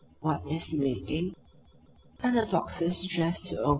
WHAT IS HE MAKING Other boxes addressed to O.